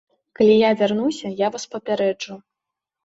Калі я вярнуся, я вас папярэджу.